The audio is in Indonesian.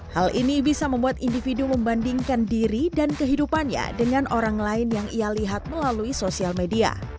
hal ini bisa membuat individu membandingkan diri dan kehidupannya dengan orang lain yang ia lihat melalui sosial media